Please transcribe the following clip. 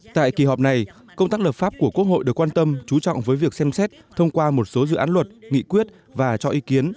tại kỳ họp này công tác lập pháp của quốc hội được quan tâm chú trọng với việc xem xét thông qua một số dự án luật nghị quyết và cho ý kiến